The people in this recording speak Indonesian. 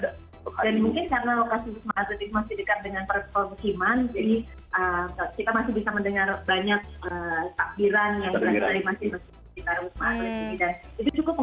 dan mungkin karena lokasi wisma atlet ini masih dekat dengan perusahaan hukuman